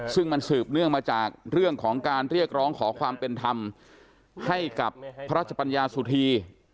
ซึ่งมันสืบเนื่องมาจากเรื่องของการเรียกร้องขอความเป็นธรรมให้กับพระราชปัญญาสุธี